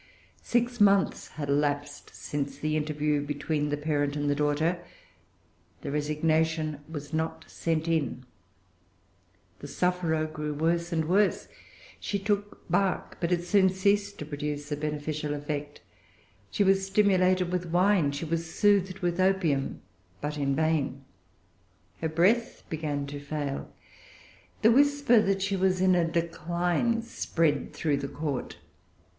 Six months had elapsed since the interview between the parent and the daughter. The resignation was not sent in. The sufferer grew worse and worse. She took bark; but it soon ceased to produce a beneficial effect. She was stimulated with wine; she was soothed with opium; but in vain. Her breath began to fail. The whisper that she was in a decline spread through the Court.